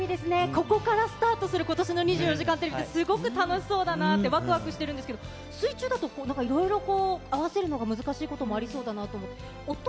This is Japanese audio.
ここからスタートする２４時間テレビって、すごく楽しそうだなってわくわくしてるんですけど、水中だといろいろ合わせるのが難しいことがありそうだなと。